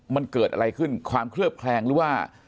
มันเกิดอะไรขึ้นความเคลือบแคลงหรือว่า